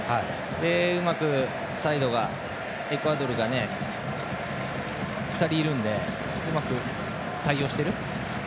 うまくサイドが、エクアドルが２人いるのでうまく対応している。